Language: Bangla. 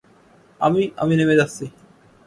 আমি, আমি নেমে যাচ্ছি।